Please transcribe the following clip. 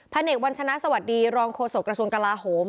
พระเอกวัญชนะสวัสดีรองโคศกรสวนกระลาฮม